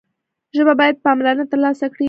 ژبه باید پاملرنه ترلاسه کړي.